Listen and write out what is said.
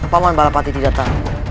paman balapati tidak tahu